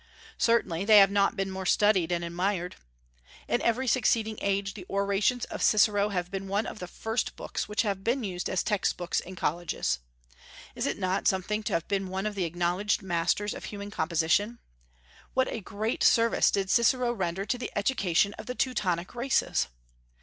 Certainly they have not been more studied and admired. In every succeeding age the Orations of Cicero have been one of the first books which have been used as textbooks in colleges. Is it not something to have been one of the acknowledged masters of human composition? What a great service did Cicero render to the education of the Teutonic races!